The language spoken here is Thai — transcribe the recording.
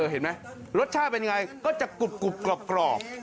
เห็นไหมรสชาติเป็นไงก็จะกรุบกรอบ